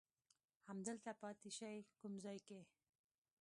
همدلته پاتېدای شې، کوم ځای کې؟